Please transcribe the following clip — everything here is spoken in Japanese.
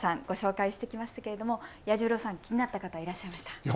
ご紹介してきましたが彌十郎さん気になった方いらっしゃいました？